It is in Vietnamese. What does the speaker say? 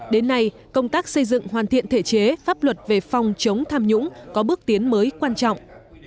đến nay công tác xây dựng hoàn thiện thể chế pháp luật về phòng chống tham nhũng có bước tiến mới quan trọng